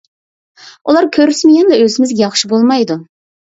ئۇلار كۆرسىمۇ يەنىلا ئۆزىمىزگە ياخشى بولمايدۇ.